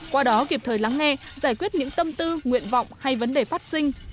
qua đó kịp thời lắng nghe giải quyết những tâm tư nguyện vọng hay vấn đề phát sinh